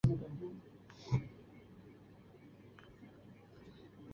یہی حال ہدایت کار بلال لاشاری کی